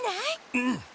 うん！